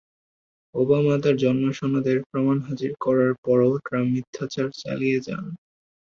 Obama তাঁর জন্মসনদের প্রমাণ হাজির করার পরও ট্রাম্প মিথ্যাচার চালিয়ে যান।